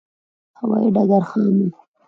هوایې ډګر خام و.